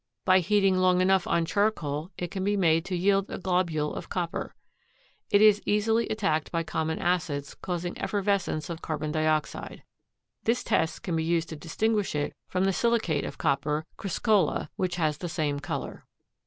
By heating long enough on charcoal it can be made to yield a globule of copper. It is easily attacked by common acids, causing effervescence of carbon dioxide. This test can be used to distinguish it from the silicate of copper, chryscolla, which has the same color.